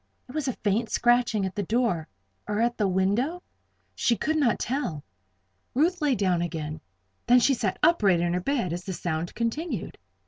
It was a faint scratching at the door, or at the window? She could not tell. Ruth lay down again; then she sat upright in her bed as the sound continued.